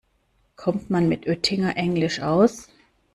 Kommt man mit Oettinger-Englisch aus?